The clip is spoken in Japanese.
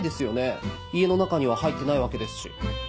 家の中には入ってないわけですし。